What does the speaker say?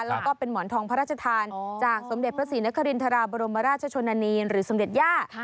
แล้วก็เป็นหมอนทองพระราชทานจากสมเด็จพระศรีนครินทราบรมราชชนนานีหรือสมเด็จย่า